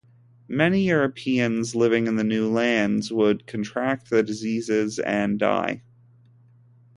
Many Europeans living in the new lands would contract the diseases and die.